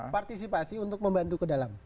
partisipasi untuk membantu ke dalam